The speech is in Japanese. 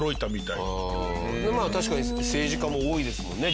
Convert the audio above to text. まあ確かに政治家も多いですもんね